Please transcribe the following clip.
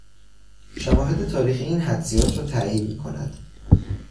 شواهد تاریخی این حدسیات را تایید میکند.